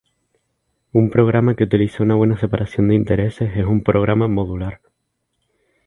Un programa que utiliza una buena separación de intereses es un programa modular.